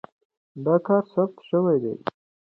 دا کار ثبت شوی دی.